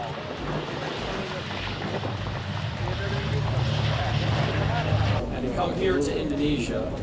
ternyata ini adalah satu dari beberapa hal yang terjadi di indonesia